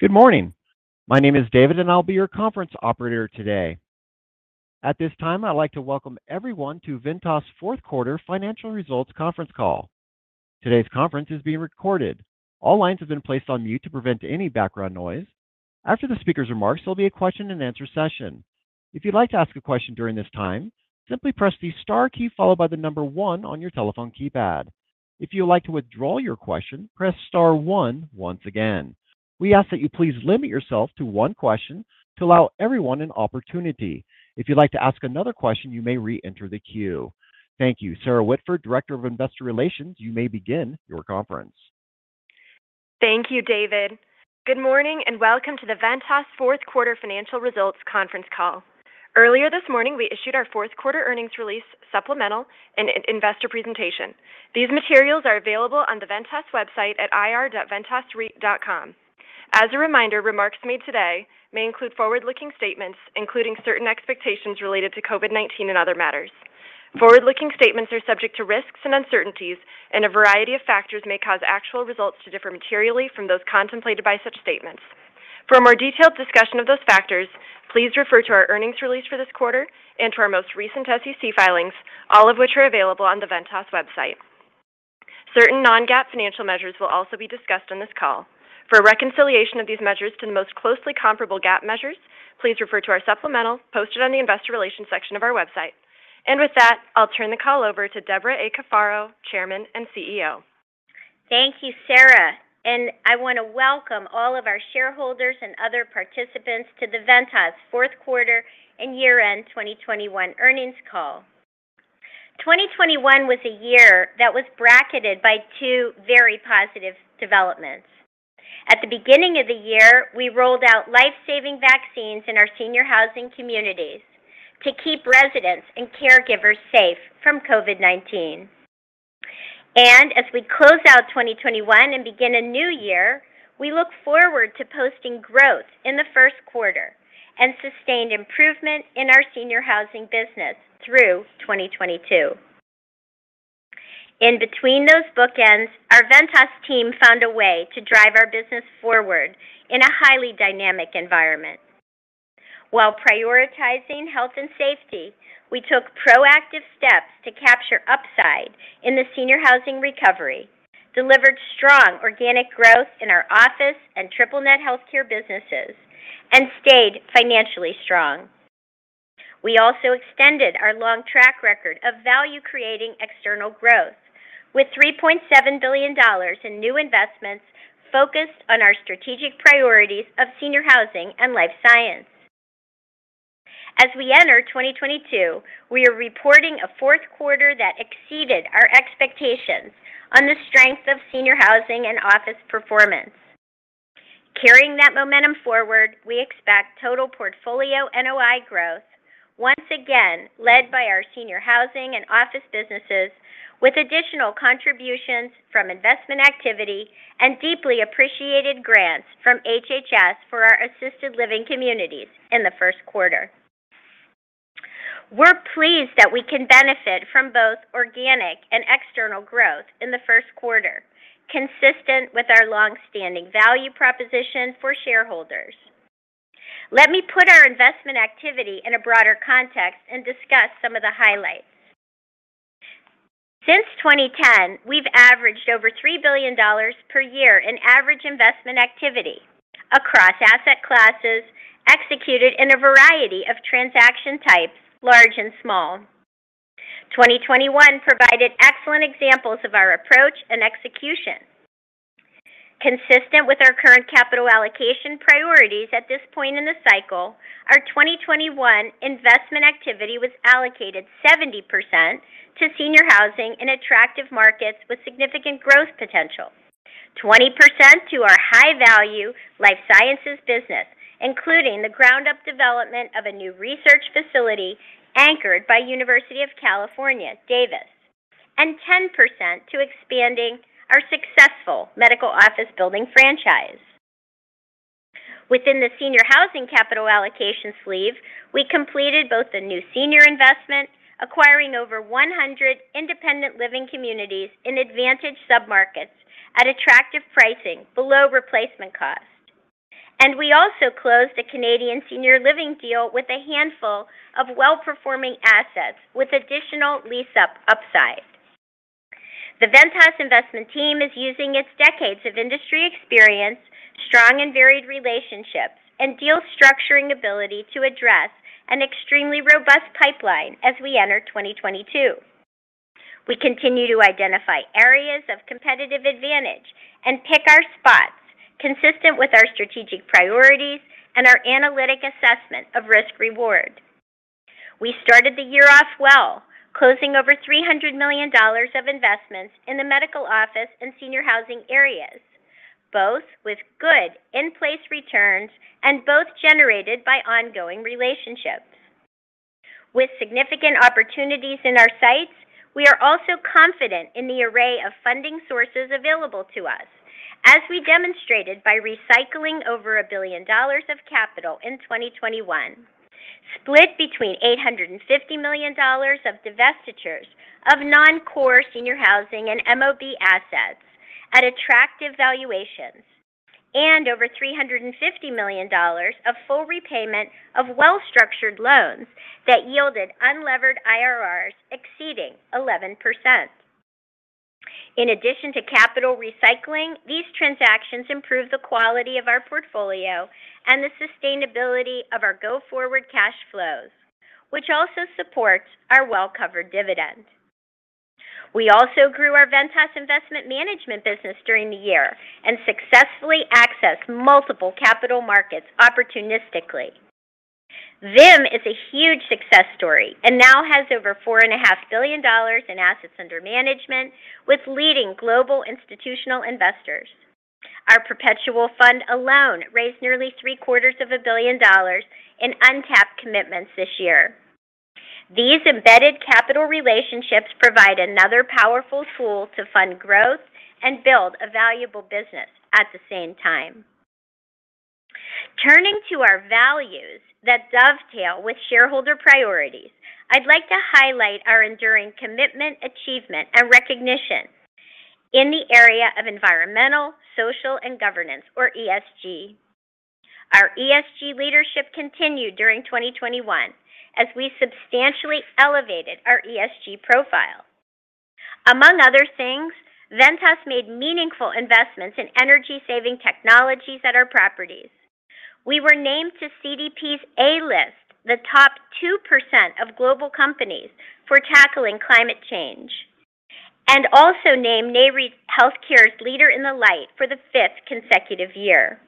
Good morning. My name is David, and I'll be your conference operator today. At this time, I'd like to welcome everyone to Ventas fourth quarter financial results conference call. Today's conference is being recorded. All lines have been placed on mute to prevent any background noise. After the speaker's remarks, there'll be a question-and-answer session. If you'd like to ask a question during this time, simply press the star key followed by the number one on your telephone keypad. If you would like to withdraw your question, press star one once again. We ask that you please limit yourself to one question to allow everyone an opportunity. If you'd like to ask another question, you may re-enter the queue. Thank you. Sarah Whitford, Director of Investor Relations, you may begin your conference. Thank you, David. Good morning, and welcome to the Ventas fourth quarter financial results conference call. Earlier this morning, we issued our fourth quarter earnings release supplemental and investor presentation. These materials are available on the Ventas website at ir.ventasreit.com. As a reminder, remarks made today may include forward-looking statements, including certain expectations related to COVID-19 and other matters. Forward-looking statements are subject to risks and uncertainties, and a variety of factors may cause actual results to differ materially from those contemplated by such statements. For a more detailed discussion of those factors, please refer to our earnings release for this quarter and to our most recent SEC filings, all of which are available on the Ventas website. Certain non-GAAP financial measures will also be discussed on this call. For a reconciliation of these measures to the most closely comparable GAAP measures, please refer to our supplemental posted on the investor relations section of our website. With that, I'll turn the call over to Debra A. Cafaro, Chairman and CEO. Thank you, Sarah. I want to welcome all of our shareholders and other participants to the Ventas fourth quarter and year-end 2021 earnings call. 2021 was a year that was bracketed by two very positive developments. At the beginning of the year, we rolled out life-saving vaccines in our senior housing communities to keep residents and caregivers safe from COVID-19. As we close out 2021 and begin a new year, we look forward to posting growth in the first quarter and sustained improvement in our senior housing business through 2022. In between those bookends, our Ventas team found a way to drive our business forward in a highly dynamic environment. While prioritizing health and safety, we took proactive steps to capture upside in the senior housing recovery, delivered strong organic growth in our office and triple net healthcare businesses, and stayed financially strong. We also extended our long track record of value-creating external growth with $3.7 billion in new investments focused on our strategic priorities of senior housing and life science. As we enter 2022, we are reporting a fourth quarter that exceeded our expectations on the strength of senior housing and office performance. Carrying that momentum forward, we expect total portfolio NOI growth once again led by our senior housing and office businesses with additional contributions from investment activity and deeply appreciated grants from HHS for our assisted living communities in the first quarter. We're pleased that we can benefit from both organic and external growth in the first quarter, consistent with our long-standing value proposition for shareholders. Let me put our investment activity in a broader context and discuss some of the highlights. Since 2010, we've averaged over $3 billion per year in average investment activity across asset classes executed in a variety of transaction types, large and small. 2021 provided excellent examples of our approach and execution. Consistent with our current capital allocation priorities at this point in the cycle, our 2021 investment activity was allocated 70% to senior housing in attractive markets with significant growth potential, 20% to our high-value life sciences business, including the ground-up development of a new research facility anchored by University of California, Davis, and 10% to expanding our successful medical office building franchise. Within the senior housing capital allocation sleeve, we completed both the New Senior Investment Group, acquiring over 100 independent living communities in advantaged submarkets at attractive pricing below replacement cost. We also closed a Canadian senior living deal with a handful of well-performing assets with additional lease-up upside. The Ventas investment team is using its decades of industry experience, strong and varied relationships, and deal structuring ability to address an extremely robust pipeline as we enter 2022. We continue to identify areas of competitive advantage and pick our spots consistent with our strategic priorities and our analytic assessment of risk reward. We started the year off well, closing over $300 million of investments in the medical office and senior housing areas, both with good in-place returns and both generated by ongoing relationships. With significant opportunities in our sights, we are also confident in the array of funding sources available to us as we demonstrated by recycling over $1 billion of capital in 2021, split between $850 million of divestitures of non-core senior housing and MOB assets at attractive valuations and over $350 million of full repayment of well-structured loans that yielded unlevered IRRs exceeding 11%. In addition to capital recycling, these transactions improve the quality of our portfolio and the sustainability of our go-forward cash flows, which also supports our well-covered dividend. We also grew our Ventas Investment Management business during the year and successfully accessed multiple capital markets opportunistically. VIM is a huge success story and now has over $4.5 billion in assets under management with leading global institutional investors. Our perpetual fund alone raised nearly three-quarters of a billion dollars in untapped commitments this year. These embedded capital relationships provide another powerful tool to fund growth and build a valuable business at the same time. Turning to our values that dovetail with shareholder priorities, I'd like to highlight our enduring commitment, achievement, and recognition in the area of environmental, social, and governance, or ESG. Our ESG leadership continued during 2021 as we substantially elevated our ESG profile. Among other things, Ventas made meaningful investments in energy-saving technologies at our properties. We were named to CDP's A List, the top 2% of global companies for tackling climate change, and also named Nareit Healthcare's Leader in the Light for the fifth consecutive year.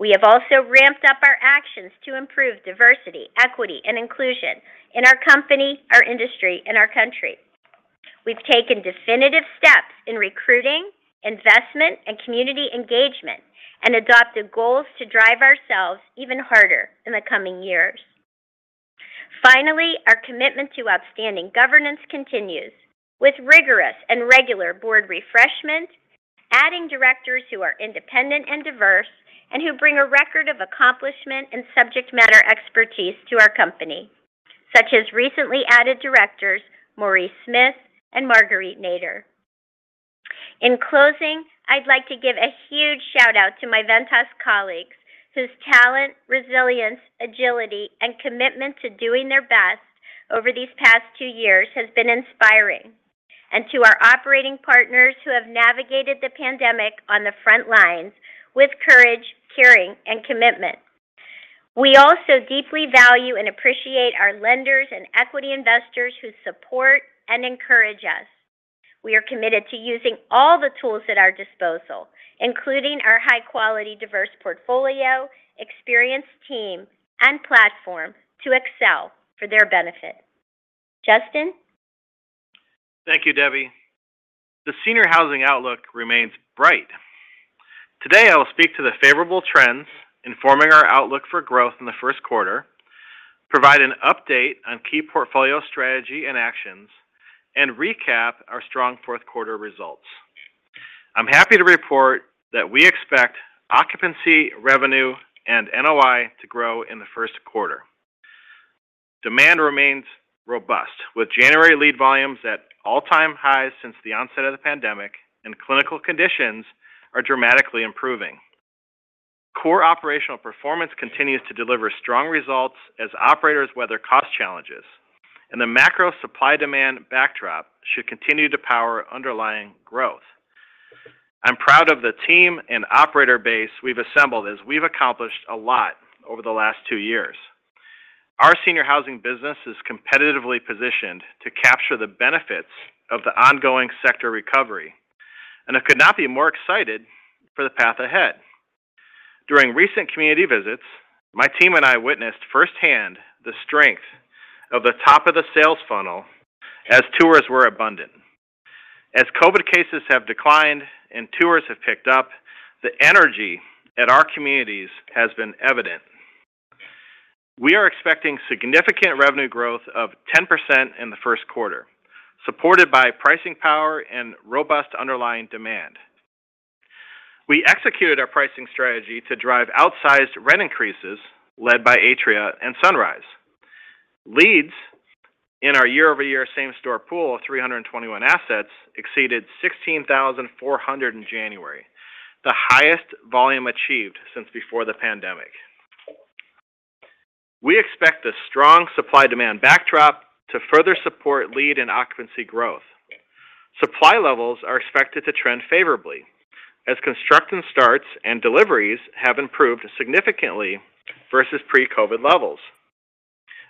We have also ramped up our actions to improve diversity, equity, and inclusion in our company, our industry, and our country. We've taken definitive steps in recruiting, investment, and community engagement and adopted goals to drive ourselves even harder in the coming years. Finally, our commitment to outstanding governance continues with rigorous and regular board refreshment, adding directors who are independent and diverse, and who bring a record of accomplishment and subject matter expertise to our company, such as recently added directors Maurice Smith and Marguerite Nader. In closing, I'd like to give a huge shout-out to my Ventas colleagues whose talent, resilience, agility, and commitment to doing their best over these past two years has been inspiring. To our operating partners who have navigated the pandemic on the front lines with courage, caring, and commitment. We also deeply value and appreciate our lenders and equity investors who support and encourage us. We are committed to using all the tools at our disposal, including our high-quality, diverse portfolio, experienced team, and platform to excel for their benefit. Justin. Thank you, Debra. The senior housing outlook remains bright. Today, I will speak to the favorable trends informing our outlook for growth in the first quarter, provide an update on key portfolio strategy and actions, and recap our strong fourth quarter results. I'm happy to report that we expect occupancy, revenue, and NOI to grow in the first quarter. Demand remains robust with January lead volumes at all-time highs since the onset of the pandemic and clinical conditions are dramatically improving. Core operational performance continues to deliver strong results as operators weather cost challenges, and the macro supply-demand backdrop should continue to power underlying growth. I'm proud of the team and operator base we've assembled as we've accomplished a lot over the last two years. Our senior housing business is competitively positioned to capture the benefits of the ongoing sector recovery, and I could not be more excited for the path ahead. During recent community visits, my team and I witnessed firsthand the strength of the top of the sales funnel as tours were abundant. As COVID cases have declined and tours have picked up, the energy at our communities has been evident. We are expecting significant revenue growth of 10% in the first quarter, supported by pricing power and robust underlying demand. We executed our pricing strategy to drive outsized rent increases led by Atria and Sunrise. Leads in our year-over-year same store pool of 321 assets exceeded 16,400 in January, the highest volume achieved since before the pandemic. We expect a strong supply-demand backdrop to further support lead and occupancy growth. Supply levels are expected to trend favorably as construction starts and deliveries have improved significantly versus pre-COVID levels.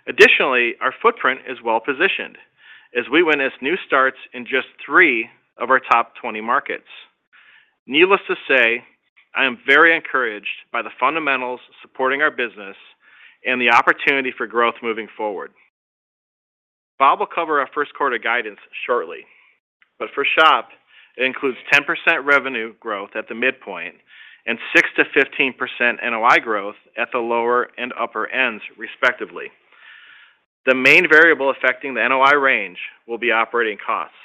Additionally, our footprint is well-positioned as we witness new starts in just three of our top 20 markets. Needless to say, I am very encouraged by the fundamentals supporting our business and the opportunity for growth moving forward. Bob will cover our first quarter guidance shortly, but for SHOP, it includes 10% revenue growth at the midpoint and 6%-15% NOI growth at the lower and upper ends, respectively. The main variable affecting the NOI range will be operating costs.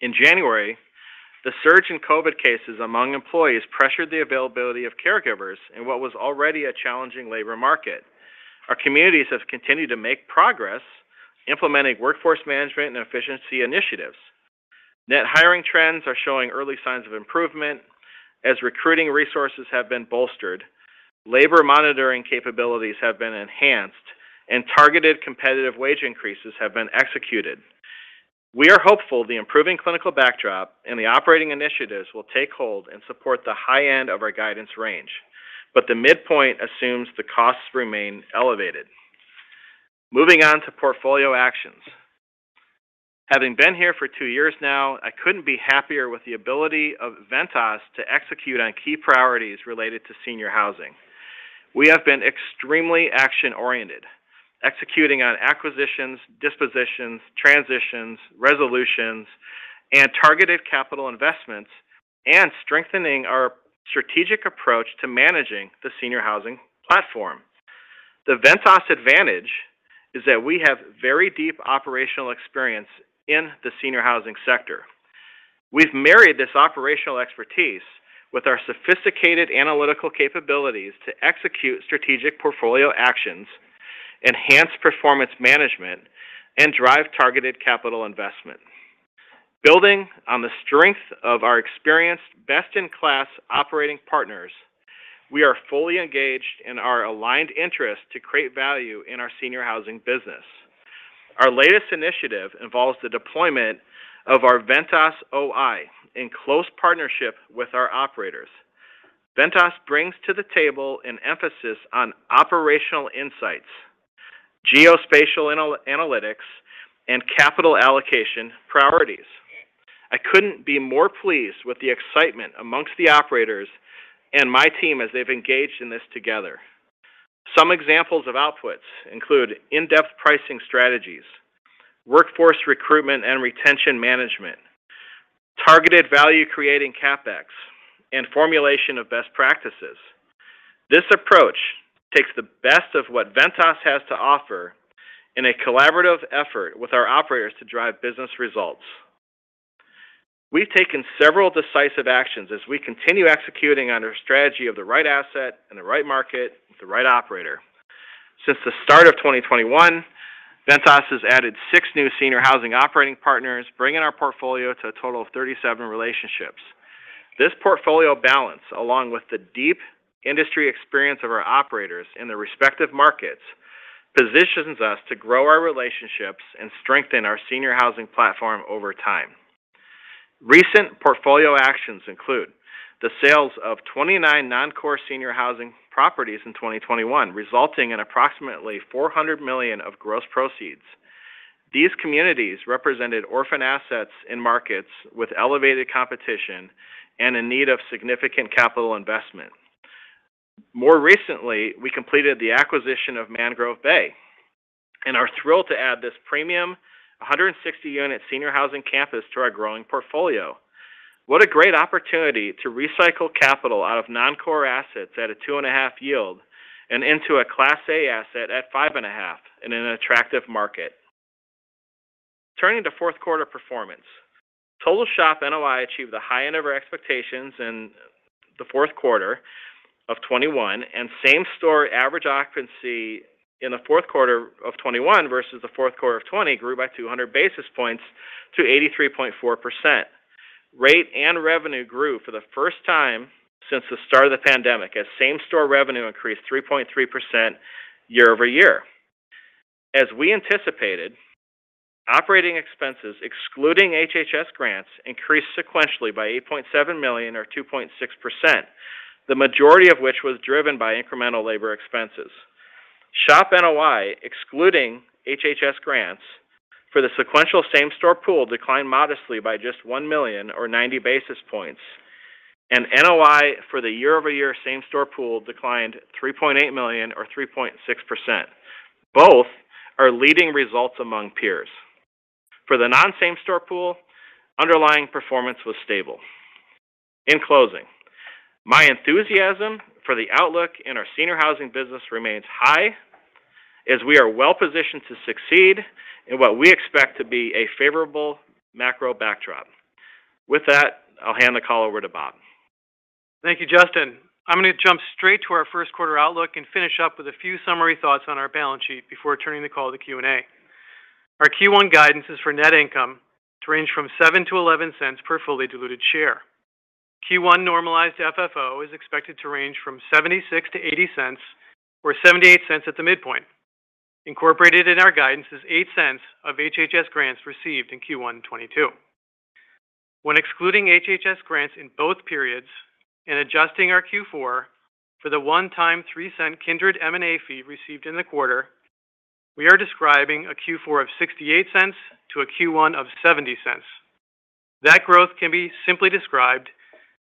In January, the surge in COVID cases among employees pressured the availability of caregivers in what was already a challenging labor market. Our communities have continued to make progress implementing workforce management and efficiency initiatives. Net hiring trends are showing early signs of improvement as recruiting resources have been bolstered, labor monitoring capabilities have been enhanced, and targeted competitive wage increases have been executed. We are hopeful the improving clinical backdrop and the operating initiatives will take hold and support the high end of our guidance range, but the midpoint assumes the costs remain elevated. Moving on to portfolio actions. Having been here for two years now, I couldn't be happier with the ability of Ventas to execute on key priorities related to senior housing. We have been extremely action-oriented, executing on acquisitions, dispositions, transitions, resolutions, and targeted capital investments, and strengthening our strategic approach to managing the senior housing platform. The Ventas advantage is that we have very deep operational experience in the senior housing sector. We've married this operational expertise with our sophisticated analytical capabilities to execute strategic portfolio actions, enhance performance management, and drive targeted capital investment. Building on the strength of our experienced best-in-class operating partners, we are fully engaged in our aligned interest to create value in our senior housing business. Our latest initiative involves the deployment of our Ventas OI in close partnership with our operators. Ventas brings to the table an emphasis on operational insights, geospatial analytics, and capital allocation priorities. I couldn't be more pleased with the excitement amongst the operators and my team as they've engaged in this together. Some examples of outputs include in-depth pricing strategies, workforce recruitment and retention management, targeted value creating CapEx, and formulation of best practices. This approach takes the best of what Ventas has to offer in a collaborative effort with our operators to drive business results. We've taken several decisive actions as we continue executing on our strategy of the right asset in the right market with the right operator. Since the start of 2021, Ventas has added six new senior housing operating partners, bringing our portfolio to a total of 37 relationships. This portfolio balance, along with the deep industry experience of our operators in their respective markets, positions us to grow our relationships and strengthen our senior housing platform over time. Recent portfolio actions include the sales of 29 non-core senior housing properties in 2021, resulting in approximately $400 million of gross proceeds. These communities represented orphan assets in markets with elevated competition and in need of significant capital investment. More recently, we completed the acquisition of Mangrove Bay and are thrilled to add this premium, 160-unit senior housing campus to our growing portfolio. What a great opportunity to recycle capital out of non-core assets at a 2.5 yield and into a Class A asset at 5.5 in an attractive market. Turning to fourth quarter performance, total SHOP NOI achieved the high end of our expectations in the fourth quarter of 2021, and same-store average occupancy in the fourth quarter of 2021 versus the fourth quarter of 2020 grew by 200 basis points to 83.4%. Rate and revenue grew for the first time since the start of the pandemic as same-store revenue increased 3.3% year over year. As we anticipated, operating expenses excluding HHS grants increased sequentially by $8.7 million or 2.6%, the majority of which was driven by incremental labor expenses. SHOP NOI, excluding HHS grants, for the sequential same-store pool declined modestly by just $1 million or 90 basis points, and NOI for the year-over-year same-store pool declined $3.8 million or 3.6%. Both are leading results among peers. For the non-same-store pool, underlying performance was stable. In closing, my enthusiasm for the outlook in our senior housing business remains high as we are well-positioned to succeed in what we expect to be a favorable macro backdrop. With that, I'll hand the call over to Bob. Thank you, Justin. I'm going to jump straight to our first quarter outlook and finish up with a few summary thoughts on our balance sheet before turning the call to Q&A. Our Q1 guidance is for net income to range from $0.07-$0.11 per fully diluted share. Q1 normalized FFO is expected to range from $0.76-$0.80, or $0.78 at the midpoint. Incorporated in our guidance is $0.08 of HHS grants received in Q1 2022. When excluding HHS grants in both periods and adjusting our Q4 for the one-time $0.03 Kindred M&A fee received in the quarter, we are describing a Q4 of $0.68 to a Q1 of $0.70. That growth can be simply described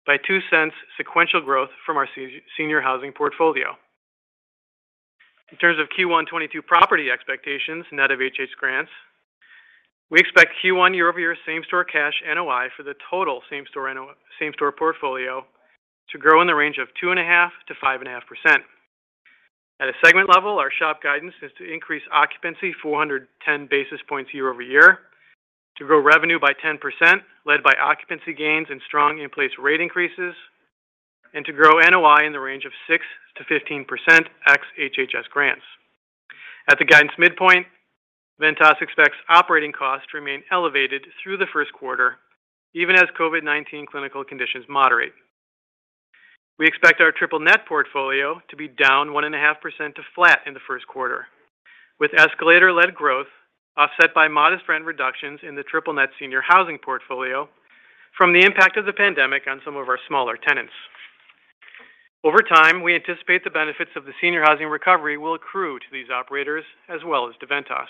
by $0.02 sequential growth from our senior housing portfolio. In terms of Q1 2022 property expectations net of HHS grants, we expect Q1 year-over-year same-store cash NOI for the total same-store portfolio to grow in the range of 2.5%-5.5%. At a segment level, our SHOP guidance is to increase occupancy 410 basis points year-over-year, to grow revenue by 10% led by occupancy gains and strong in-place rate increases, and to grow NOI in the range of 6%-15% ex HHS grants. At the guidance midpoint, Ventas expects operating costs to remain elevated through the first quarter, even as COVID-19 clinical conditions moderate. We expect our triple net portfolio to be down 1.5% to flat in the first quarter, with escalator-led growth offset by modest rent reductions in the triple net senior housing portfolio from the impact of the pandemic on some of our smaller tenants. Over time, we anticipate the benefits of the senior housing recovery will accrue to these operators as well as to Ventas.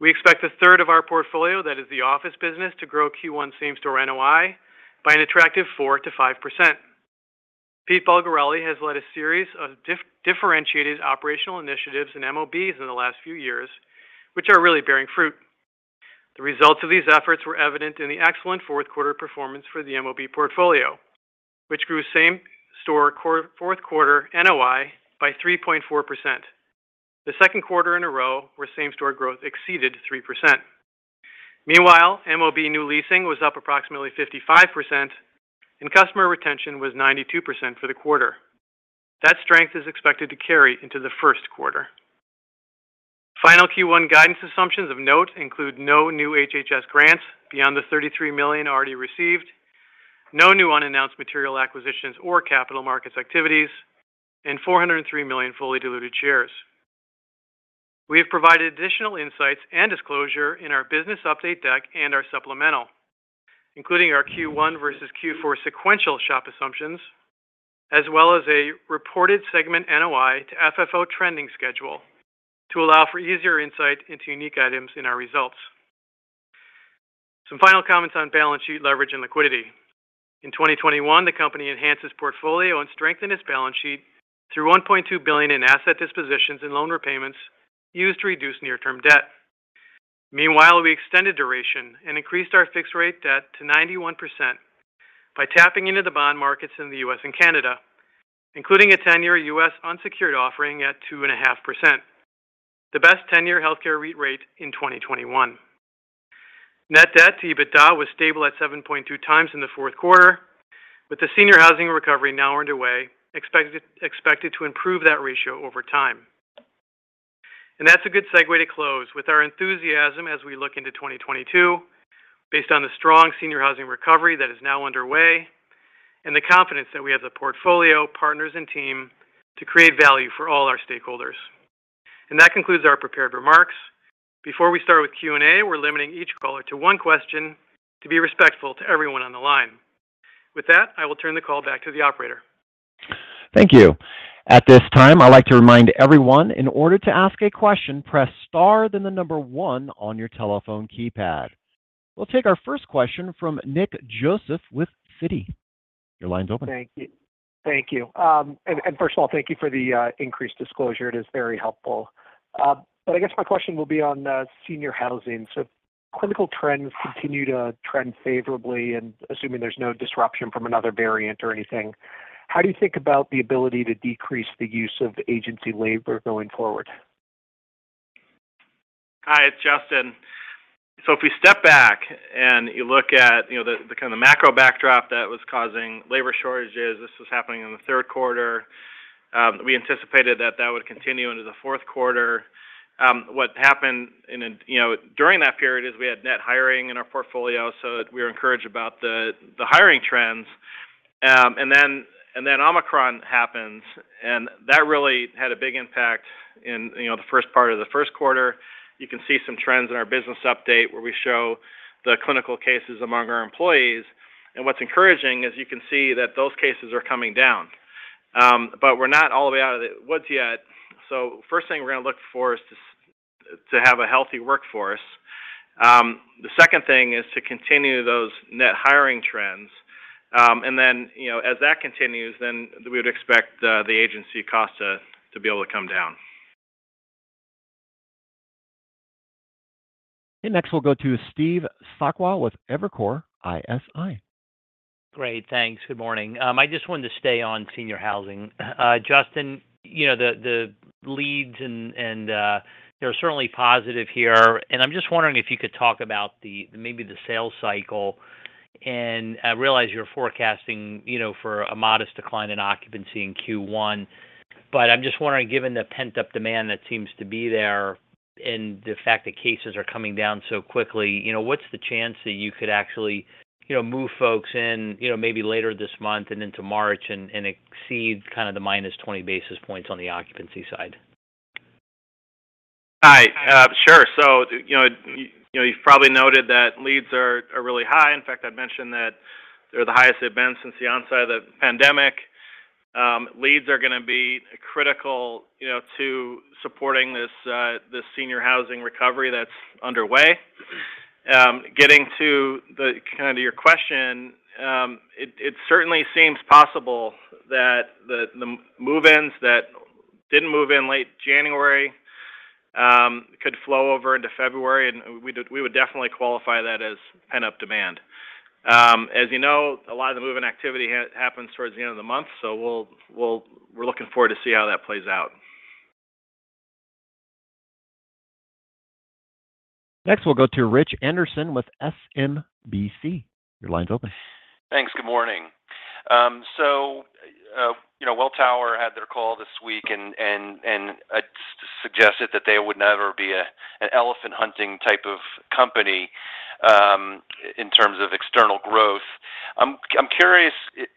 We expect the third of our portfolio that is the office business to grow Q1 same store NOI by an attractive 4%-5%. Pete Bulgarelli has led a series of differentiated operational initiatives in MOBs in the last few years, which are really bearing fruit. The results of these efforts were evident in the excellent fourth quarter performance for the MOB portfolio, which grew same store fourth quarter NOI by 3.4%, the second quarter in a row where same store growth exceeded 3%. Meanwhile, MOB new leasing was up approximately 55%, and customer retention was 92% for the quarter. That strength is expected to carry into the first quarter. Final Q1 guidance assumptions of note include no new HHS grants beyond the $33 million already received, no new unannounced material acquisitions or capital markets activities, and 403 million fully diluted shares. We have provided additional insights and disclosure in our business update deck and our supplemental, including our Q1 versus Q4 sequential SHOP assumptions, as well as a reported segment NOI to FFO trending schedule to allow for easier insight into unique items in our results. Some final comments on balance sheet leverage and liquidity. In 2021, the company enhanced its portfolio and strengthened its balance sheet through $1.2 billion in asset dispositions and loan repayments used to reduce near-term debt. Meanwhile, we extended duration and increased our fixed rate debt to 91% by tapping into the bond markets in the U.S. and Canada, including a 10-year U.S. unsecured offering at 2.5%, the best 10-year healthcare REIT rate in 2021. Net debt to EBITDA was stable at 7.2x in the fourth quarter, with the senior housing recovery now underway, expected to improve that ratio over time. That's a good segue to close with our enthusiasm as we look into 2022 based on the strong senior housing recovery that is now underway and the confidence that we have the portfolio, partners, and team to create value for all our stakeholders. That concludes our prepared remarks. Before we start with Q&A, we're limiting each caller to one question to be respectful to everyone on the line. With that, I will turn the call back to the operator. Thank you. At this time, I'd like to remind everyone in order to ask a question, press star, then the number one on your telephone keypad. We'll take our first question from Nick Joseph with Citi. Your line's open. Thank you. First of all, thank you for the increased disclosure. It is very helpful. I guess my question will be on senior housing. Clinical trends continue to trend favorably and assuming there's no disruption from another variant or anything, how do you think about the ability to decrease the use of agency labor going forward? Hi, it's Justin. If we step back and you look at, you know, the kind of macro backdrop that was causing labor shortages, this was happening in the third quarter. We anticipated that would continue into the fourth quarter. What happened, you know, during that period is we had net hiring in our portfolio, so we were encouraged about the hiring trends. Omicron happens, and that really had a big impact in, you know, the first part of the first quarter. You can see some trends in our business update where we show the clinical cases among our employees. What's encouraging is you can see that those cases are coming down. We're not all the way out of the woods yet. First thing we're gonna look for is to have a healthy workforce. The second thing is to continue those net hiring trends. You know, as that continues, we would expect the agency cost to be able to come down. Next, we'll go to Steve Sakwa with Evercore ISI. Great. Thanks. Good morning. I just wanted to stay on senior housing. Justin, you know, the leads and they're certainly positive here. I'm just wondering if you could talk about maybe the sales cycle. I realize you're forecasting, you know, for a modest decline in occupancy in Q1. I'm just wondering, given the pent-up demand that seems to be there and the fact that cases are coming down so quickly, you know, what's the chance that you could actually, you know, move folks in, you know, maybe later this month and into March and exceed kind of the minus 20 basis points on the occupancy side? Hi. Sure. You know, you've probably noted that leads are really high. In fact, I'd mentioned that they're the highest they've been since the onset of the pandemic. Leads are gonna be critical, you know, to supporting this senior housing recovery that's underway. Getting to kinda your question, it certainly seems possible that the move-ins that didn't move in late January could flow over into February and we would definitely qualify that as pent-up demand. As you know, a lot of the moving activity happens towards the end of the month, so we're looking forward to see how that plays out. Next, we'll go to Rich Anderson with SMBC. Your line's open. Thanks. Good morning. So, you know, Welltower had their call this week and suggested that they would never be an elephant hunting type of company in terms of external growth. I'm curious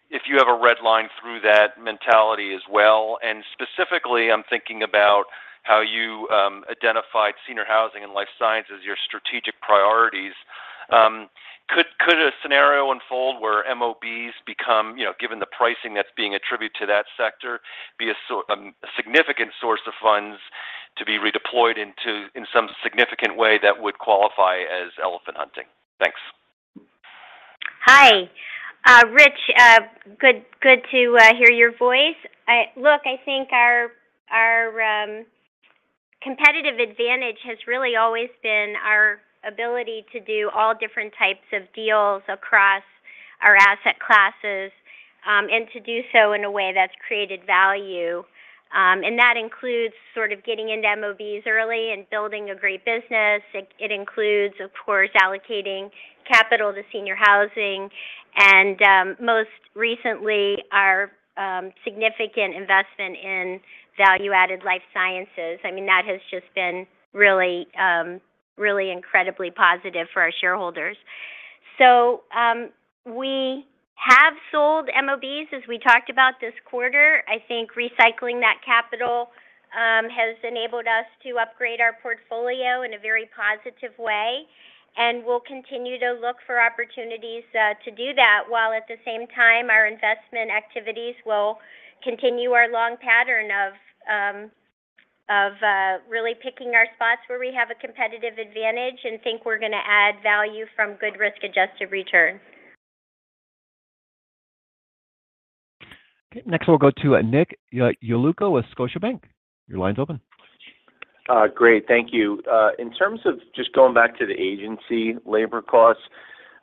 if you have a red line through that mentality as well, and specifically I'm thinking about how you identified senior housing and life sciences, your strategic priorities. Could a scenario unfold where MOBs become, you know, given the pricing that's being attributed to that sector, a significant source of funds to be redeployed in some significant way that would qualify as elephant hunting? Thanks. Hi, Rich. Good to hear your voice. Look, I think our competitive advantage has really always been our ability to do all different types of deals across our asset classes, and to do so in a way that's created value. That includes sort of getting into MOBs early and building a great business. It includes, of course, allocating capital to senior housing and, most recently, our significant investment in value-added life sciences. I mean, that has just been really incredibly positive for our shareholders. We have sold MOBs, as we talked about this quarter. I think recycling that capital has enabled us to upgrade our portfolio in a very positive way, and we'll continue to look for opportunities to do that, while at the same time, our investment activities will continue our long pattern of really picking our spots where we have a competitive advantage and think we're gonna add value from good risk-adjusted return. Okay. Next, we'll go to Nick Yulico with Scotiabank. Your line's open. Great. Thank you. In terms of just going back to the agency labor costs,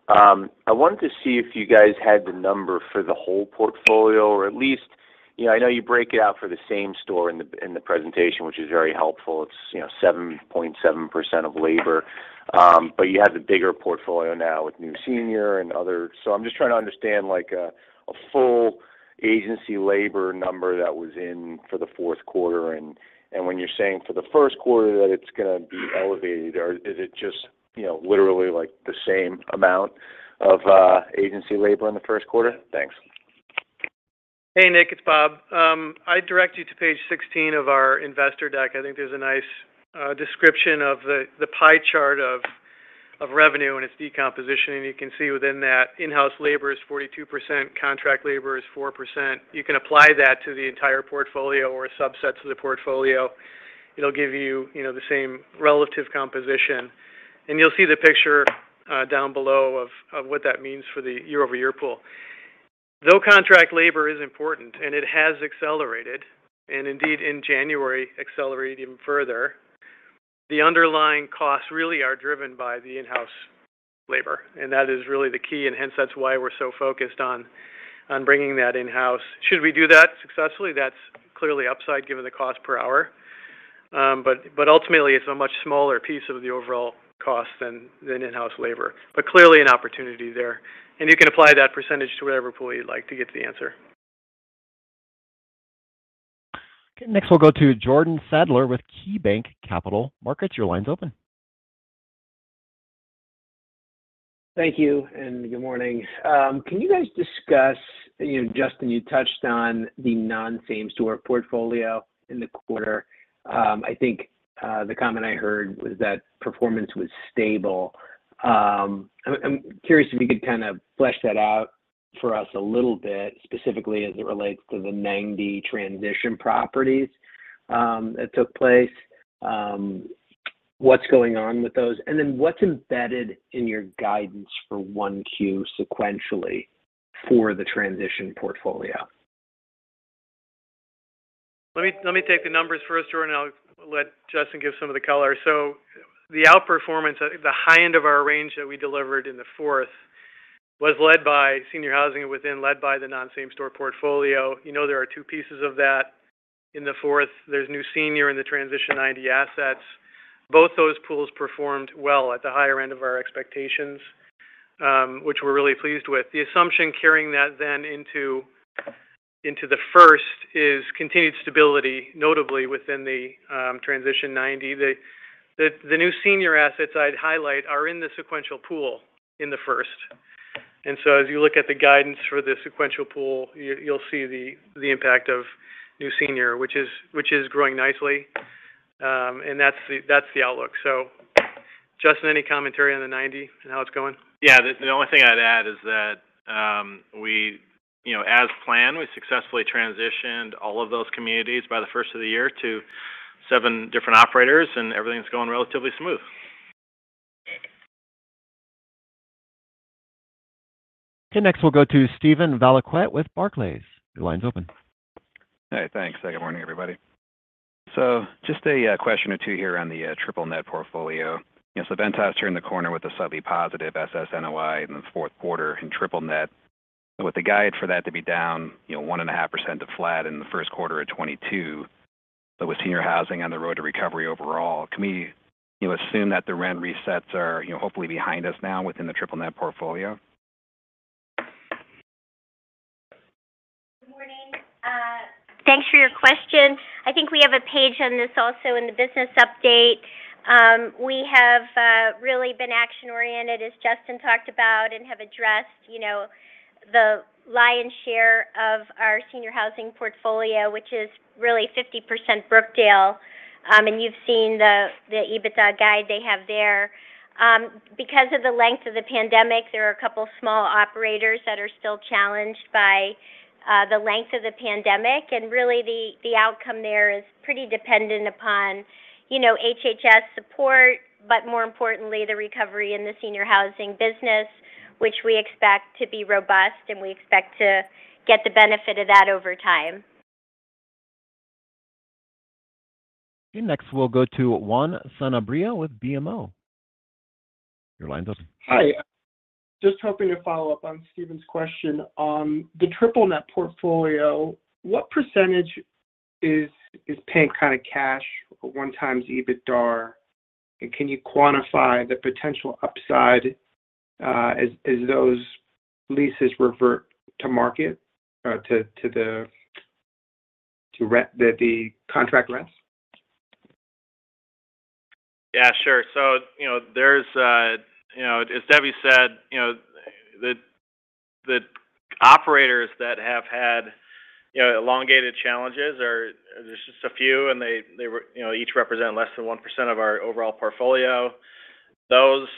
I wanted to see if you guys had the number for the whole portfolio or at least. You know, I know you break it out for the same store in the presentation, which is very helpful. It's, you know, 7.7% of labor. But you have the bigger portfolio now with New Senior and other. So I'm just trying to understand, like a full agency labor number that was in for the fourth quarter, and when you're saying for the first quarter that it's gonna be elevated, or is it just, you know, literally like the same amount of agency labor in the first quarter? Thanks. Hey, Nick. It's Bob. I direct you to page 16 of our investor deck. I think there's a nice description of the pie chart of revenue and its decomposition, and you can see within that in-house labor is 42%, contract labor is 4%. You can apply that to the entire portfolio or subsets of the portfolio. It'll give you know, the same relative composition. You'll see the picture down below of what that means for the year-over-year pool. Though contract labor is important, and it has accelerated, and indeed in January accelerated even further, the underlying costs really are driven by the in-house labor, and that is really the key, and hence that's why we're so focused on bringing that in-house. Should we do that successfully, that's clearly upside given the cost per hour. But ultimately, it's a much smaller piece of the overall cost than in-house labor, but clearly an opportunity there. You can apply that percentage to whatever pool you'd like to get to the answer. Okay. Next, we'll go to Jordan Sadler with KeyBanc Capital Markets. Your line's open. Thank you, good morning. Can you guys discuss, you know, Justin, you touched on the non-same store portfolio in the quarter. I think the comment I heard was that performance was stable. I'm curious if you could kind of flesh that out for us a little bit, specifically as it relates to the 90 transition properties that took place. What's going on with those? And then what's embedded in your guidance for 1Q sequentially for the transition portfolio? Let me take the numbers first, Jordan, and I'll let Justin give some of the color. The outperformance, the high end of our range that we delivered in the fourth was led by senior housing and within led by the non-same store portfolio. You know there are two pieces of that. In the fourth, there's New Senior and the Transition 90 assets. Both those pools performed well at the higher end of our expectations, which we're really pleased with. The assumption carrying that then into the first is continued stability, notably within the Transition 90. The New Senior assets I'd highlight are in the sequential pool in the first. As you look at the guidance for the sequential pool, you'll see the impact of New Senior, which is growing nicely. That's the outlook. Justin, any commentary on the 90 and how it's going? Yeah. The only thing I'd add is that, we, you know, as planned, we successfully transitioned all of those communities by the first of the year to seven different operators, and everything's going relatively smooth. Next we'll go to Steven Valiquette with Barclays. Your line's open. Hey, thanks. Good morning, everybody. Just a question or two here on the triple net portfolio. You know, Ventas turned the corner with a slightly positive SSNOI in the fourth quarter and triple net. With the guide for that to be down, you know, 1.5% to flat in the first quarter of 2022. With senior housing on the road to recovery overall, can we, you know, assume that the rent resets are, you know, hopefully behind us now within the triple net portfolio? Good morning. Thanks for your question. I think we have a page on this also in the business update. We have really been action-oriented, as Justin talked about and have addressed, you know, the lion's share of our senior housing portfolio, which is really 50% Brookdale. You've seen the EBITDA guide they have there. Because of the length of the pandemic, there are a couple of small operators that are still challenged by the length of the pandemic. Really the outcome there is pretty dependent upon, you know, HHS support, but more importantly, the recovery in the senior housing business, which we expect to be robust and we expect to get the benefit of that over time. Okay. Next, we'll go to Juan Sanabria with BMO. Your line's open. Hi. Just hoping to follow up on Steve question. On the triple-net portfolio, what percentage is paying kind of cash 1x EBITDA? And can you quantify the potential upside as those leases revert to market to the contract rents? Yeah, sure. You know, there's you know, as Debra said, you know, the operators that have had you know, elongated challenges are. There's just a few, and they were, you know, each represent less than 1% of our overall portfolio. Those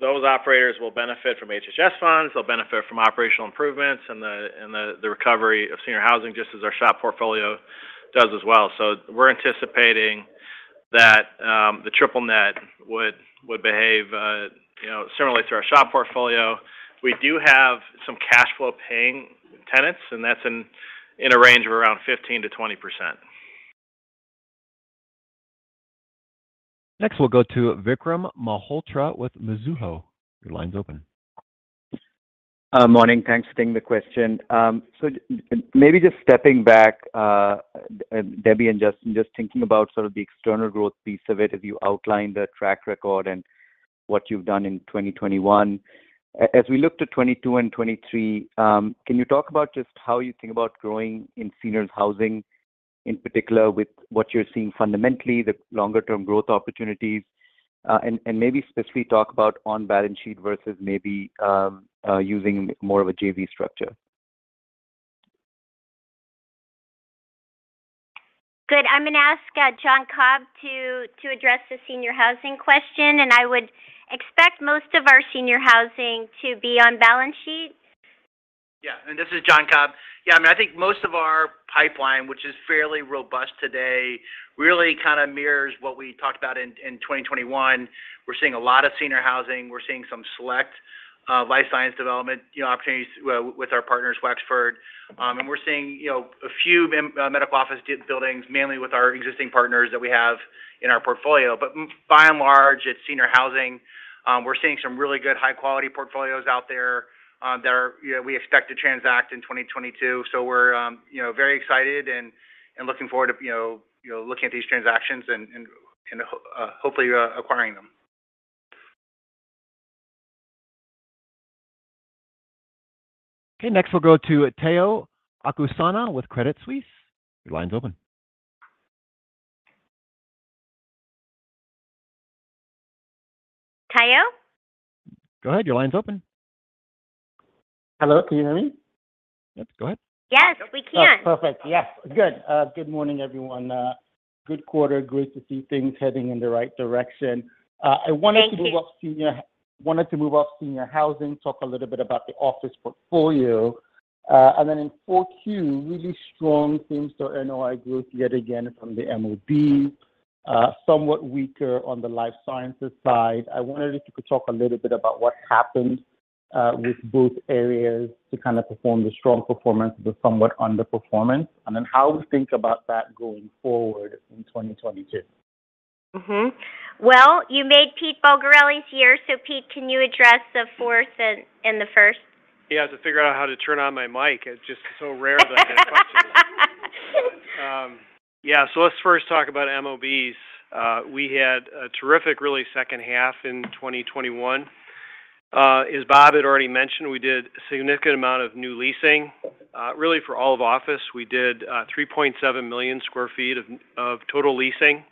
operators will benefit from HHS funds. They'll benefit from operational improvements and the recovery of senior housing, just as our SHOP portfolio does as well. We're anticipating that the triple net would behave you know, similarly to our SHOP portfolio. We do have some cash flow paying tenants, and that's in a range of around 15%-20%. Next, we'll go to Vikram Malhotra with Mizuho. Your line's open. Morning. Thanks for taking the question. Just maybe stepping back, Debra and Justin, just thinking about sort of the external growth piece of it, have you outlined the track record and what you've done in 2021? As we look to 2022 and 2023, can you talk about just how you think about growing in seniors housing, in particular with what you're seeing fundamentally, the longer term growth opportunities, and maybe specifically talk about on balance sheet versus maybe using more of a JV structure? Good. I'm gonna ask John Cobb to address the senior housing question, and I would expect most of our senior housing to be on balance sheet. This is John Cobb. I mean, I think most of our pipeline, which is fairly robust today, really kind of mirrors what we talked about in 2021. We're seeing a lot of senior housing. We're seeing some select life science development, you know, opportunities with our partners, Wexford. We're seeing, you know, a few medical office buildings, mainly with our existing partners that we have in our portfolio. By and large, it's senior housing. We're seeing some really good high-quality portfolios out there that we expect to transact in 2022. We're very excited and looking forward to, you know, looking at these transactions and hopefully acquiring them. Okay. Next, we'll go to Tayo Okusanya with Credit Suisse. Your line's open. Tayo? Go ahead. Your line's open. Hello? Can you hear me? Yes. Go ahead. Yes, we can. Oh, perfect. Yes. Good. Good morning, everyone. Good quarter. Great to see things heading in the right direction. I wanted to move off senior- Thank you. wanted to move off senior housing, talk a little bit about the office portfolio. I mean, in 4Q, really strong same-store NOI growth yet again from the MOB, somewhat weaker on the life sciences side. I wondered if you could talk a little bit about what happened with both areas: the strong performance, the somewhat underperformance, and then how to think about that going forward in 2022. Well, you made Pete Bulgarelli's year. Pete, can you address the fourth and the first? To figure out how to turn on my mic. It's just so rare that I get questions. Let's first talk about MOBs. We had a terrific really second half in 2021. As Bob had already mentioned, we did a significant amount of new leasing, really for all of office. We did 3.7 million sq ft of total leasing.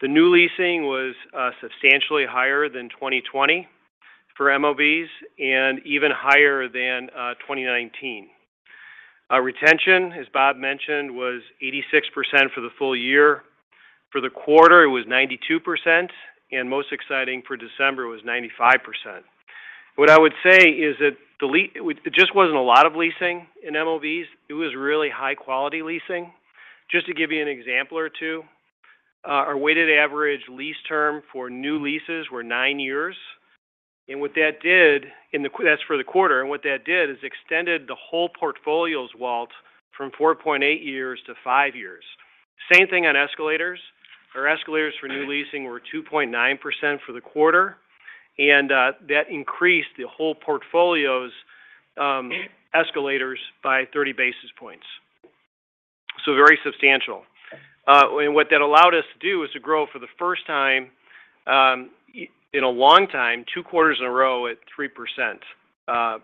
The new leasing was substantially higher than 2020 for MOBs and even higher than 2019. Retention, as Bob mentioned, was 86% for the full year. For the quarter, it was 92%, and most exciting for December was 95%. What I would say is that it just wasn't a lot of leasing in MOBs, it was really high quality leasing. Just to give you an example or two. Our weighted average lease term for new leases were nine years. What that did in the quarter. That's for the quarter. What that did is extended the whole portfolio's WALs from 4.8 years to five years. Same thing on escalators. Our escalators for new leasing were 2.9% for the quarter, and that increased the whole portfolio's escalators by 30 basis points. Very substantial. What that allowed us to do is to grow for the first time in a long time, two quarters in a row at 3%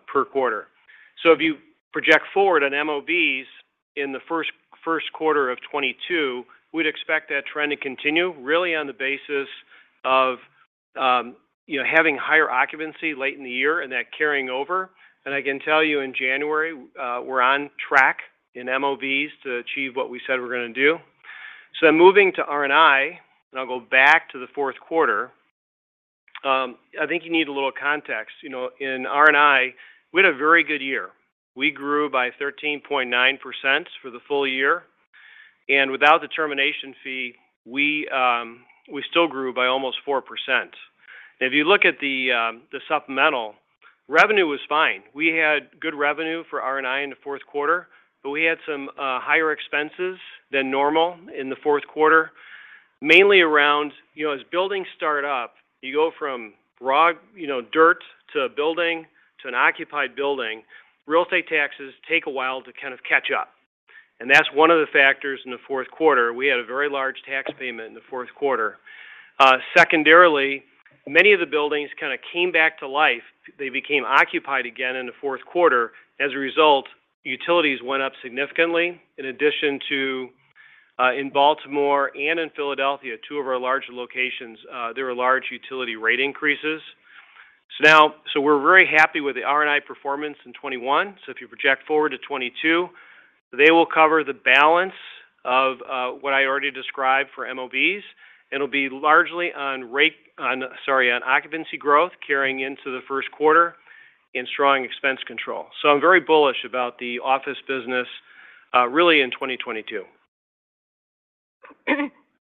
per quarter. If you project forward on MOBs in the first quarter of 2022, we'd expect that trend to continue really on the basis of you know, having higher occupancy late in the year and that carrying over. I can tell you in January, we're on track in MOBs to achieve what we said we're gonna do. Moving to R&I, and I'll go back to the fourth quarter. I think you need a little context. You know, in R&I, we had a very good year. We grew by 13.9% for the full year. Without the termination fee, we still grew by almost 4%. If you look at the supplemental, revenue was fine. We had good revenue for R&I in the fourth quarter, but we had some higher expenses than normal in the fourth quarter, mainly around, you know, as buildings start up, you go from raw, you know, dirt to a building to an occupied building. Real estate taxes take a while to kind of catch up. That's one of the factors in the fourth quarter. We had a very large tax payment in the fourth quarter. Secondarily, many of the buildings kind of came back to life. They became occupied again in the fourth quarter. As a result, utilities went up significantly. In addition to in Baltimore and in Philadelphia, two of our larger locations, there were large utility rate increases. We're very happy with the R&I performance in 2021. If you project forward to 2022, they will cover the balance of what I already described for MOBs. It'll be largely on occupancy growth carrying into the first quarter and strong expense control. I'm very bullish about the office business, really in 2022.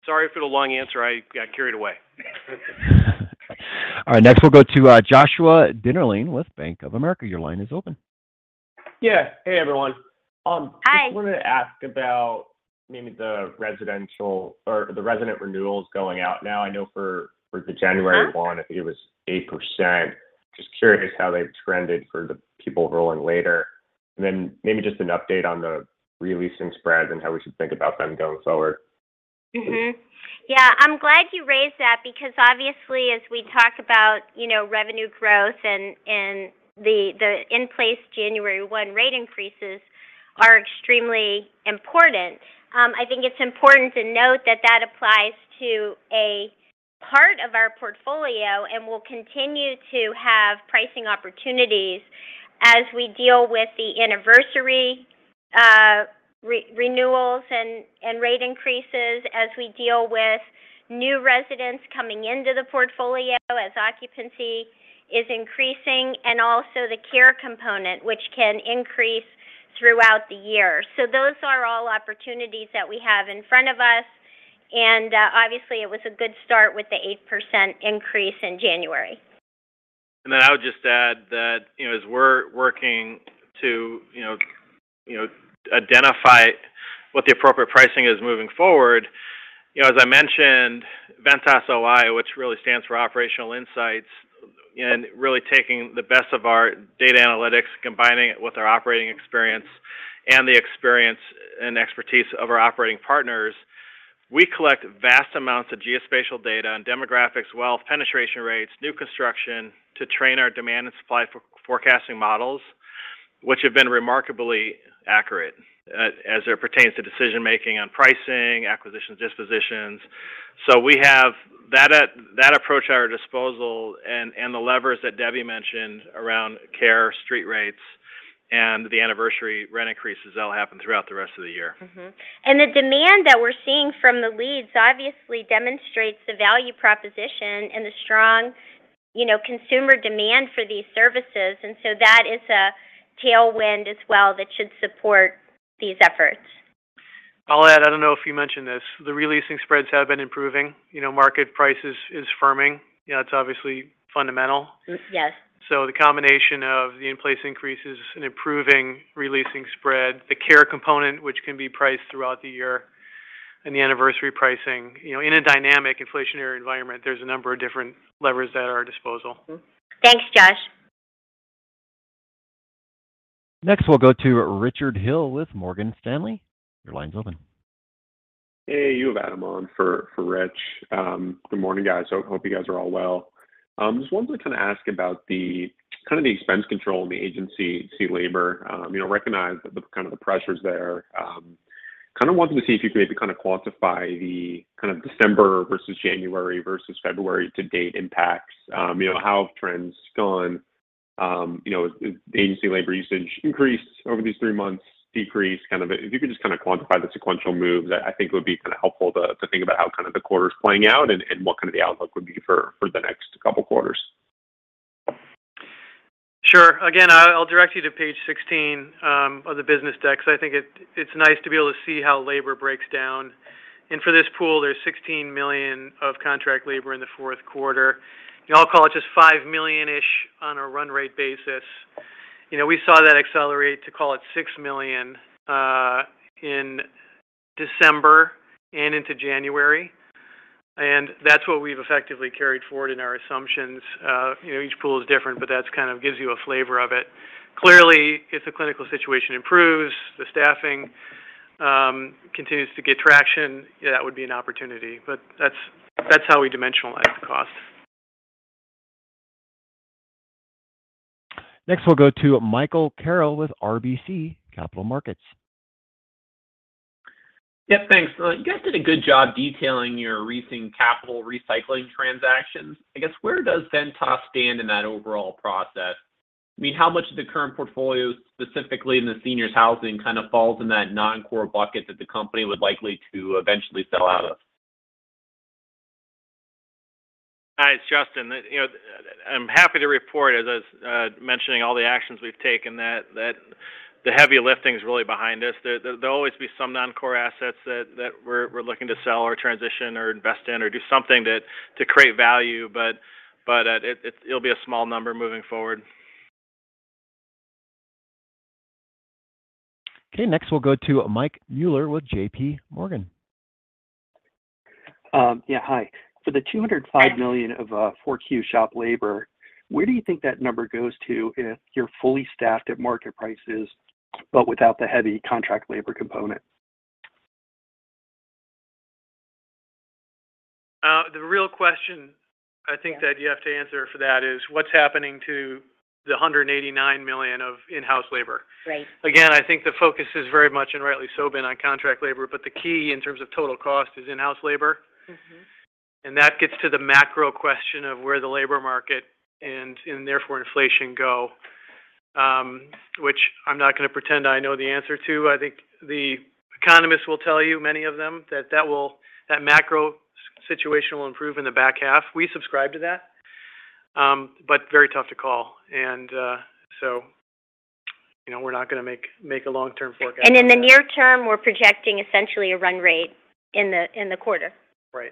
Sorry for the long answer. I got carried away. All right. Next we'll go to Joshua Dennerlein with Bank of America. Your line is open. Yeah. Hey, everyone. Hi. Just wanted to ask about maybe the residential or the resident renewals going out now. I know for the January 1, it was 8%. Just curious how they've trended for the people rolling later. Maybe just an update on the re-leasing spreads and how we should think about them going forward. I'm glad you raised that because obviously as we talk about revenue growth and the in-place January 1 rate increases are extremely important. I think it's important to note that applies to a part of our portfolio, and we'll continue to have pricing opportunities as we deal with the anniversary re-renewals and rate increases, as we deal with new residents coming into the portfolio as occupancy is increasing, and also the care component, which can increase throughout the year. Those are all opportunities that we have in front of us. Obviously, it was a good start with the 8% increase in January. I would just add that, you know, as we're working to you know identify what the appropriate pricing is moving forward, you know, as I mentioned, Ventas OI, which really stands for Operational Insights, and really taking the best of our data analytics, combining it with our operating experience and the experience and expertise of our operating partners, we collect vast amounts of geospatial data on demographics, wealth, penetration rates, new construction to train our demand and supply forecasting models, which have been remarkably accurate as it pertains to decision-making on pricing, acquisitions, dispositions. We have that approach at our disposal and the levers that Debra mentioned around care, street rates, and the anniversary rent increases that'll happen throughout the rest of the year. The demand that we're seeing from the leads obviously demonstrates the value proposition and the strong, you know, consumer demand for these services. That is a tailwind as well that should support these efforts. I'll add, I don't know if you mentioned this, the re-leasing spreads have been improving. You know, market price is firming. You know, it's obviously fundamental. Yes. The combination of the in-place increases and improving re-leasing spread, the care component, which can be priced throughout the year, and the anniversary pricing, you know, in a dynamic inflationary environment, there's a number of different levers at our disposal. Mm-hmm. Thanks, Josh. Next, we'll go to Richard Hill with Morgan Stanley. Your line's open. Hey, you have Adam on for Rich. Good morning, guys. Hope you guys are all well. Just wanted to kind of ask about the kind of the expense control in the agency labor. You know, recognize the kind of the pressures there. Kind of wanted to see if you could maybe kind of quantify the kind of December versus January versus February to date impacts. You know, how have trends gone? You know, has agency labor usage increased over these three months, decreased? Kind of if you could just kind of quantify the sequential moves, I think it would be kind of helpful to think about how kind of the quarter's playing out and what kind of the outlook would be for the next couple quarters. Sure. Again, I'll direct you to page 16 of the business deck, 'cause I think it's nice to be able to see how labor breaks down. For this pool, there's $16 million of contract labor in the fourth quarter. I'll call it just $5 million on a run rate basis. You know, we saw that accelerate to call it $6 million in December and into January. That's what we've effectively carried forward in our assumptions. You know, each pool is different, but that's kind of gives you a flavor of it. Clearly, if the clinical situation improves, the staffing continues to get traction, yeah, that would be an opportunity. That's how we dimensionalize the cost. Next, we'll go to Michael Carroll with RBC Capital Markets. Yeah, thanks. You guys did a good job detailing your recent capital recycling transactions. I guess, where does Ventas stand in that overall process? I mean, how much of the current portfolio, specifically in the seniors housing, kind of falls in that non-core bucket that the company would likely to eventually sell out of? Hi, it's Justin. You know, I'm happy to report as I was mentioning all the actions we've taken that the heavy lifting is really behind us. There'll always be some non-core assets that we're looking to sell or transition or invest in or do something to create value, but it'll be a small number moving forward. Okay. Next, we'll go to Michael Mueller with J.P. Morgan. Yeah, hi. For the $205 million of 4Q SHOP labor, where do you think that number goes to if you're fully staffed at market prices but without the heavy contract labor component? The real question I think that you have to answer for that is what's happening to the $189 million of in-house labor. Right. Again, I think the focus is very much, and rightly so, been on contract labor. The key in terms of total cost is in-house labor. Mm-hmm. That gets to the macro question of where the labor market and therefore inflation go, which I'm not gonna pretend I know the answer to. I think the economists will tell you, many of them, that that will improve in the back half. We subscribe to that, but very tough to call. You know, we're not gonna make a long-term forecast for that. In the near term, we're projecting essentially a run rate in the quarter. Right.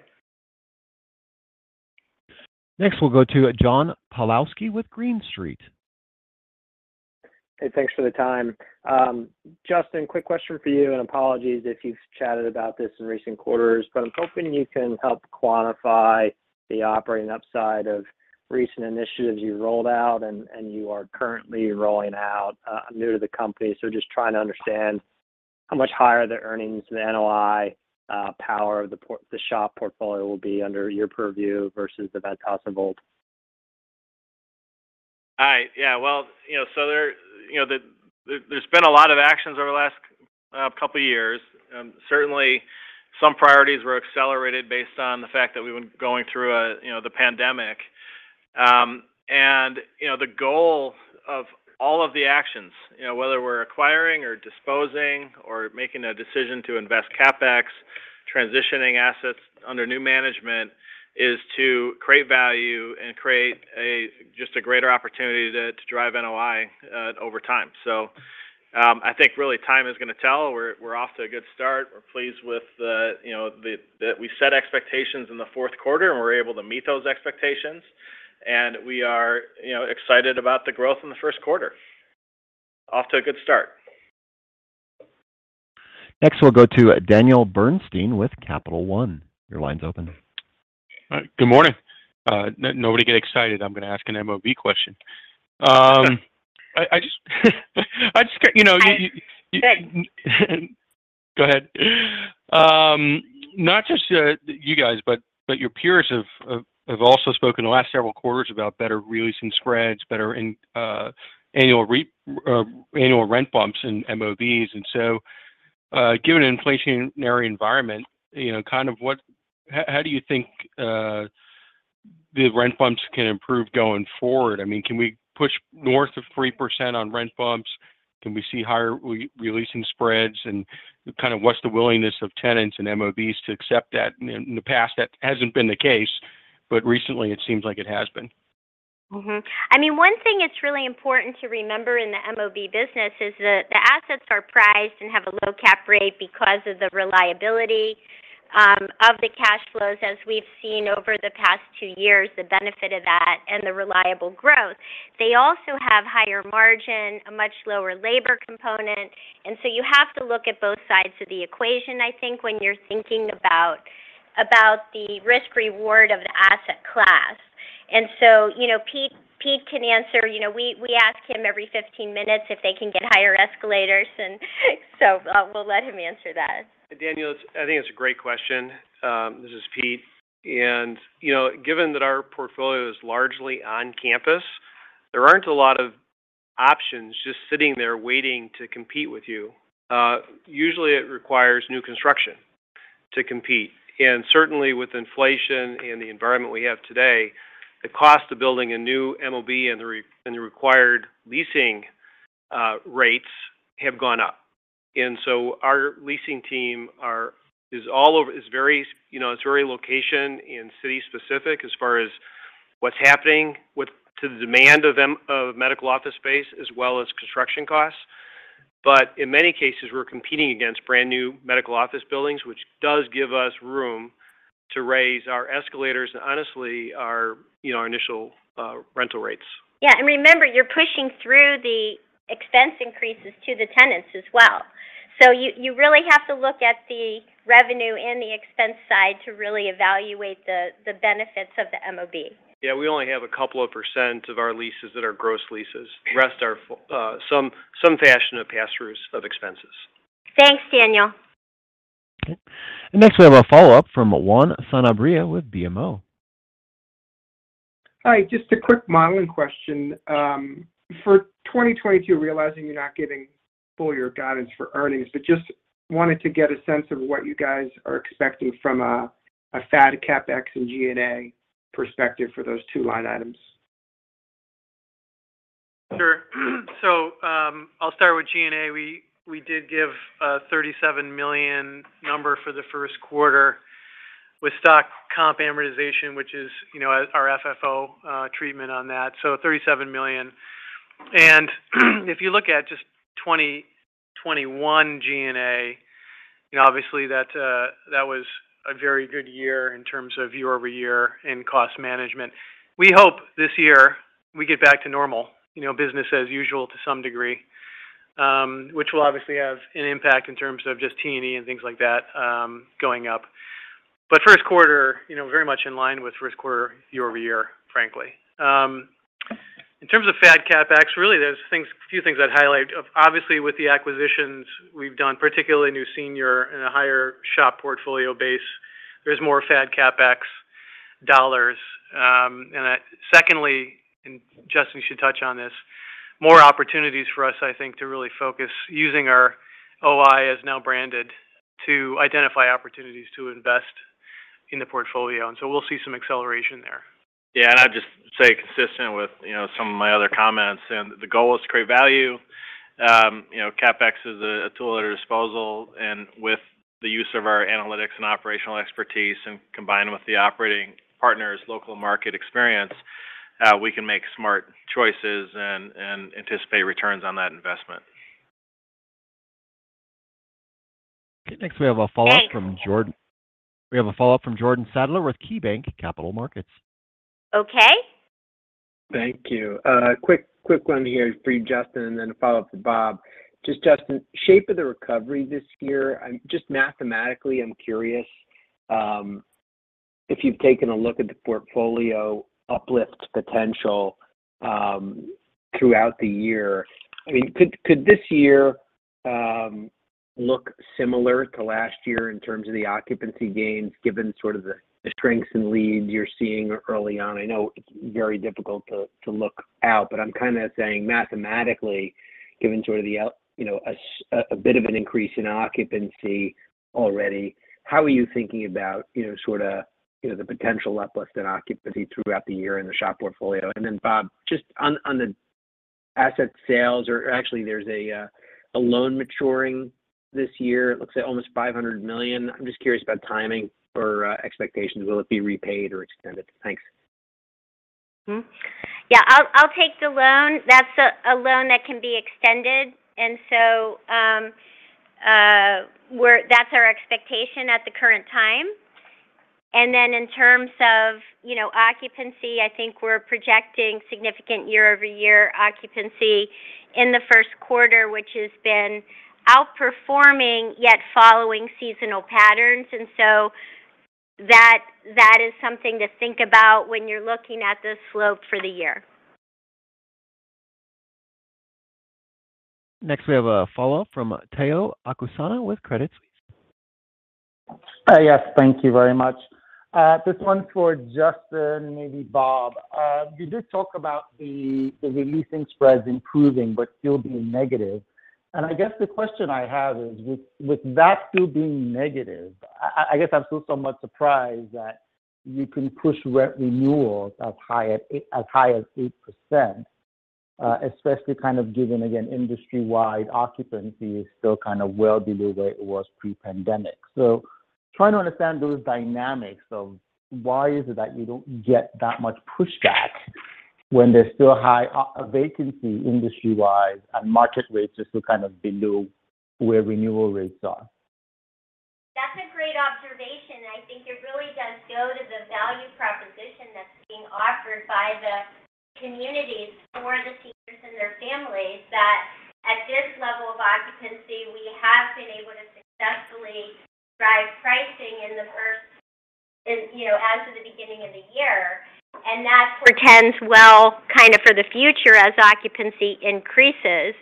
Next, we'll go to John Pawlowski with Green Street. Hey, thanks for the time. Justin, quick question for you. Apologies if you've chatted about this in recent quarters, but I'm hoping you can help quantify the operating upside of recent initiatives you've rolled out and you are currently rolling out. I'm new to the company, so just trying to understand how much higher the earnings, the NOI, the SHOP portfolio will be under your purview versus the Ventas of old. All right. Yeah. Well, you know, so there, you know, there's been a lot of actions over the last couple of years. Certainly some priorities were accelerated based on the fact that we've been going through, you know, the pandemic. You know, the goal of all of the actions, you know, whether we're acquiring or disposing or making a decision to invest CapEx, transitioning assets under new management, is to create value and create just a greater opportunity to drive NOI over time. I think really time is gonna tell. We're off to a good start. We're pleased with you know that we set expectations in the fourth quarter, and we're able to meet those expectations. We are, you know, excited about the growth in the first quarter. Off to a good start. Next, we'll go to Daniel Bernstein with Capital One. Your line's open. All right. Good morning. Nobody get excited. I'm gonna ask an MOB question. I just, you know- Hi. Go ahead. Not just you guys, but your peers have also spoken the last several quarters about better re-leasing spreads, better annual rent bumps in MOBs. Given an inflationary environment, you know, how do you think the rent bumps can improve going forward? I mean, can we push north of 3% on rent bumps? Can we see higher re-leasing spreads? Kind of what's the willingness of tenants and MOBs to accept that? In the past, that hasn't been the case, but recently it seems like it has been. I mean, one thing that's really important to remember in the MOB business is that the assets are priced and have a low cap rate because of the reliability of the cash flows, as we've seen over the past two years, the benefit of that and the reliable growth. They also have higher margin, a much lower labor component, and so you have to look at both sides of the equation, I think, when you're thinking about the risk reward of the asset class. You know, Pete can answer. You know, we ask him every 15 minutes if they can get higher escalators and so, we'll let him answer that. Daniel, I think it's a great question. This is Pete. You know, given that our portfolio is largely on campus, there aren't a lot of options just sitting there waiting to compete with you. Usually it requires new construction to compete. Certainly with inflation and the environment we have today, the cost of building a new MOB and the required leasing rates have gone up. Our leasing team is very, you know, it's very location and city-specific as far as what's happening to the demand for medical office space as well as construction costs. In many cases, we're competing against brand-new medical office buildings, which does give us room to raise our escalators and honestly our, you know, initial rental rates. Yeah. Remember, you're pushing through the expense increases to the tenants as well. You really have to look at the revenue and the expense side to really evaluate the benefits of the MOB. Yeah, we only have a couple of percent of our leases that are gross leases. The rest are some fashion of pass-throughs of expenses. Thanks, Daniel. Okay. Next we have a follow-up from Juan Sanabria with BMO. Hi. Just a quick modeling question. For 2022, realizing you're not giving full year guidance for earnings, but just wanted to get a sense of what you guys are expecting from a FAD CapEx and G&A perspective for those two line items. Sure. I'll start with G&A. We did give a $37 million number for the first quarter with stock comp amortization, which is, you know, our FFO treatment on that, so $37 million. If you look at just 2021 G&A, you know, obviously that was a very good year in terms of year-over-year in cost management. We hope this year we get back to normal, you know, business as usual to some degree, which will obviously have an impact in terms of just T&E and things like that going up. First quarter, you know, very much in line with first quarter year-over-year, frankly. In terms of FAD CapEx, really there's few things I'd highlight. Obviously with the acquisitions we've done, particularly New Senior and a higher SHOP portfolio base, there's more FAD CapEx dollars. Secondly, Justin should touch on this, more opportunities for us, I think, to really focus using our OI as now branded to identify opportunities to invest in the portfolio, and so we'll see some acceleration there. Yeah. I'd just say consistent with, you know, some of my other comments, and the goal is to create value. You know, CapEx is a tool at our disposal, and with the use of our analytics and operational expertise and combined with the operating partners' local market experience, we can make smart choices and anticipate returns on that investment. Okay. Next we have a follow-up from Jordan. Thanks. We have a follow-up from Jordan Sadler with KeyBanc Capital Markets. Okay. Thank you. Quick one here for you, Justin, and then a follow-up to Bob. Just Justin, shape of the recovery this year. I'm just mathematically curious if you've taken a look at the portfolio uplift potential throughout the year. I mean, could this year look similar to last year in terms of the occupancy gains given sort of the strengths and leads you're seeing early on? I know it's very difficult to look out, but I'm kind of saying mathematically, given sort of the outlook, you know, a bit of an increase in occupancy already, how are you thinking about, you know, sort of, the potential uplift in occupancy throughout the year in the SHOP portfolio? Then Bob, just on the asset sales, or actually there's a loan maturing this year, it looks like almost $500 million. I'm just curious about timing or expectations. Will it be repaid or extended? Thanks. Mm-hmm. Yeah. I'll take the loan. That's a loan that can be extended. That's our expectation at the current time. In terms of occupancy, you know, I think we're projecting significant year-over-year occupancy in the first quarter, which has been outperforming yet following seasonal patterns. That is something to think about when you're looking at the slope for the year. Next we have a follow-up from Tayo Okusanya with Credit Suisse. Yes. Thank you very much. This one's for Justin, maybe Bob. You did talk about the re-leasing spreads improving but still being negative. I guess the question I have is with that still being negative, I guess I'm still somewhat surprised that you can push rent renewals as high as 8%, especially kind of given, again, industry-wide occupancy is still kind of well below where it was pre-pandemic. Trying to understand those dynamics of why is it that you don't get that much pushback when there's still high vacancy industry-wide and market rates are still kind of below where renewal rates are. That's a great observation. I think it really does go to the value proposition that's being offered by the communities for the teachers and their families that at this level of occupancy, we have been able to successfully drive pricing, you know, as of the beginning of the year. That portends well kind of for the future as occupancy increases.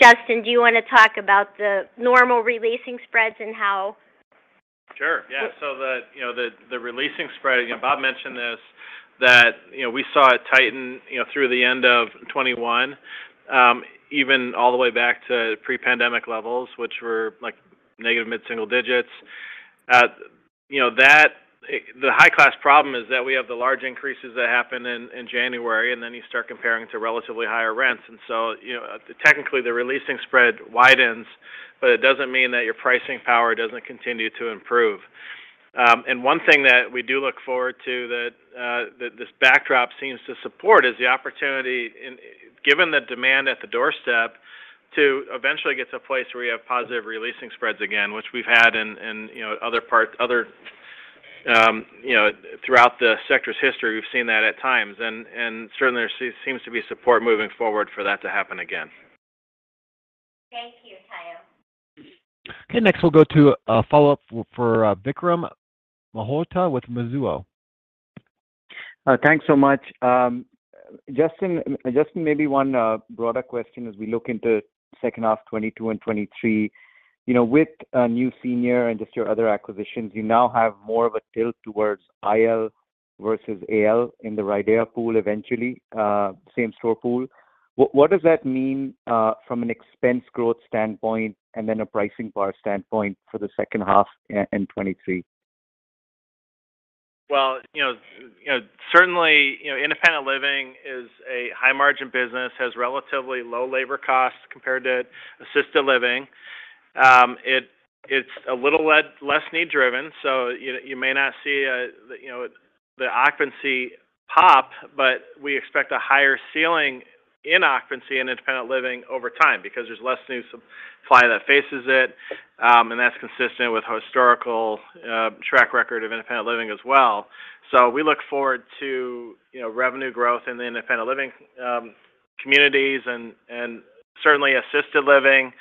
Justin, do you wanna talk about the normal re-leasing spreads and how- Sure. Yeah. The re-leasing spread, you know, Bob mentioned this, that you know, we saw it tighten through the end of 2021, even all the way back to pre-pandemic levels, which were like negative mid-single digits. You know, the high class problem is that we have the large increases that happen in January, and then you start comparing to relatively higher rents. You know, technically, the re-leasing spread widens, but it doesn't mean that your pricing power doesn't continue to improve. One thing that we do look forward to that this backdrop seems to support is the opportunity given the demand at the doorstep to eventually get to a place where you have positive re-leasing spreads again, which we've had in, you know, other parts, you know, throughout the sector's history. We've seen that at times. Certainly there seems to be support moving forward for that to happen again. Thank you, Tayo. Okay. Next, we'll go to a follow-up for Vikram Malhotra with Mizuho. Thanks so much. Justin, maybe one broader question as we look into second half 2022 and 2023. You know, with new senior and just your other acquisitions, you now have more of a tilt towards IL versus AL in the RIDEA pool eventually, same store pool. What does that mean from an expense growth standpoint and then a pricing power standpoint for the second half in 2023? Well, you know, certainly, you know, independent living is a high margin business, has relatively low labor costs compared to assisted living. It's a little less need driven, so you may not see a, you know, the occupancy pop, but we expect a higher ceiling in occupancy and independent living over time because there's less new supply that faces it, and that's consistent with historical track record of independent living as well. We look forward to, you know, revenue growth in the independent living communities and certainly assisted living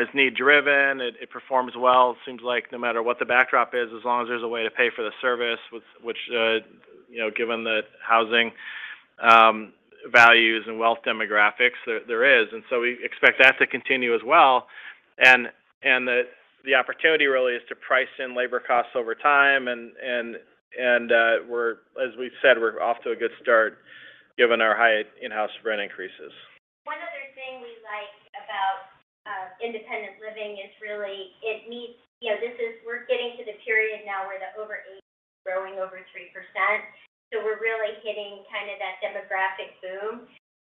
is need driven. It performs well. It seems like no matter what the backdrop is, as long as there's a way to pay for the service, which you know, given the housing values and wealth demographics there is. We expect that to continue as well, and the opportunity really is to price in labor costs over time, as we've said, we're off to a good start given our high in-house rent increases. One other thing we like about independent living is really it meets. You know, we're getting to the period now where the over 80 is growing over 3%, so we're really hitting kind of that demographic boom.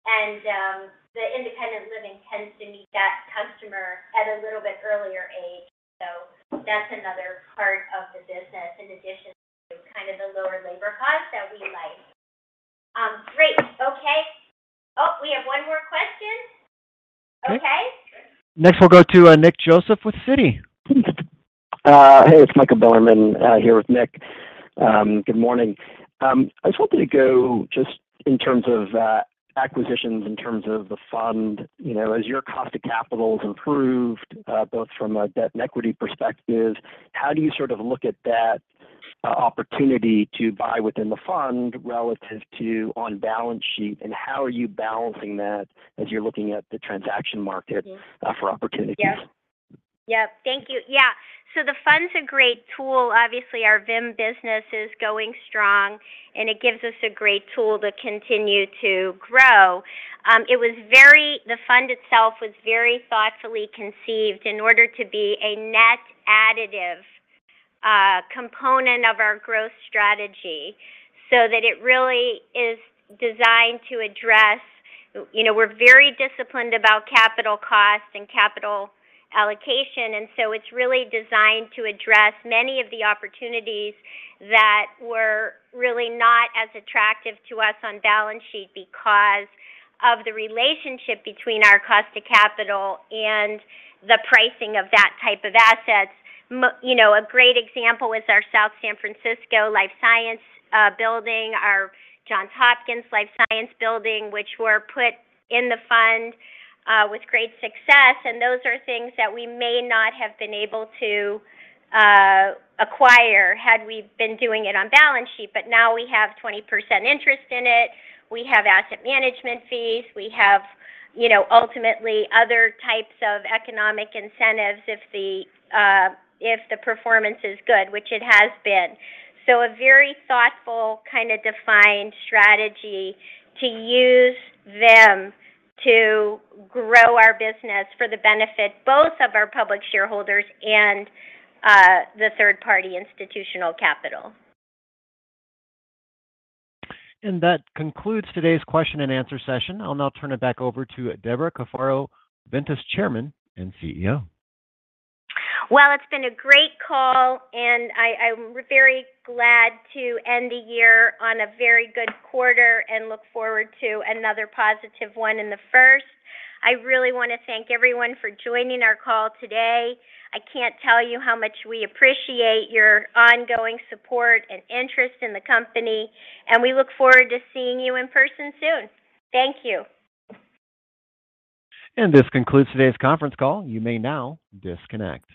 The independent living tends to meet that customer at a little bit earlier age. That's another part of the business in addition to kind of the lower labor costs that we like. Great. Okay. Oh, we have one more question. Okay. Next, we'll go to Nick Joseph with Citi. Hey, it's Michael Bilerman here with Nick. Good morning. I just wanted to go just in terms of acquisitions, in terms of the fund. You know, as your cost of capital's improved, both from a debt and equity perspective, how do you sort of look at that opportunity to buy within the fund relative to on balance sheet, and how are you balancing that as you're looking at the transaction market? Mm-hmm. for opportunities? Yep. Thank you. Yeah. The fund's a great tool. Obviously, our VIM business is going strong, and it gives us a great tool to continue to grow. The fund itself was very thoughtfully conceived in order to be a net additive component of our growth strategy so that it really is designed to address you know, we're very disciplined about capital costs and capital allocation, and so it's really designed to address many of the opportunities that were really not as attractive to us on balance sheet because of the relationship between our cost to capital and the pricing of that type of assets. You know, a great example is our South San Francisco life science building, our Johns Hopkins life science building, which were put in the fund with great success. Those are things that we may not have been able to acquire had we been doing it on balance sheet. Now we have 20% interest in it. We have asset management fees. We have ultimately other types of economic incentives if the performance is good, which it has been. A very thoughtful, kind of defined strategy to use them to grow our business for the benefit both of our public shareholders and the third party institutional capital. That concludes today's question and answer session. I'll now turn it back over to Debra Cafaro, Ventas Chairman and CEO. Well, it's been a great call, and I'm very glad to end the year on a very good quarter and look forward to another positive one in the first. I really wanna thank everyone for joining our call today. I can't tell you how much we appreciate your ongoing support and interest in the company, and we look forward to seeing you in person soon. Thank you. This concludes today's conference call. You may now disconnect.